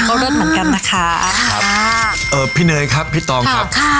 ก็เลิศเหมือนกันนะคะครับเอ่อพี่เนยครับพี่ตองครับค่ะ